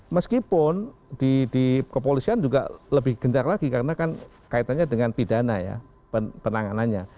meskipun di kepolisian juga lebih gencar lagi karena kan kaitannya dengan pidana ya penanganannya